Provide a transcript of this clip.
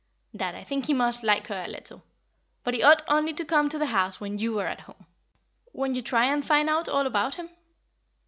Dad, I think he must like her a little; but he ought only to come to the house when you are at home. Won't you try and find out all about him?"